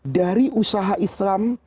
dari usaha islam